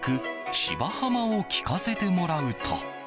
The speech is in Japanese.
「芝浜」を聞かせてもらうと。